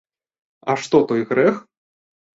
А што той грэх?